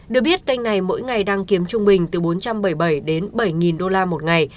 được biết kênh này mỗi ngày đang kiếm trung bình từ bốn trăm bảy mươi bảy đến bảy đô la một ngày